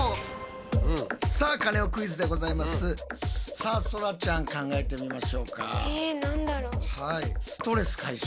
さあそらちゃん考えてみましょうか。